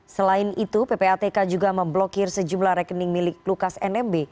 selain itu ppatk juga memblokir sejumlah rekening milik lukas nmb